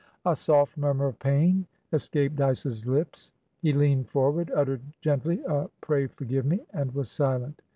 A soft murmur of pain escaped Dyce's lips; he leaned forward, uttered gently a "Pray forgive me!" and was silent.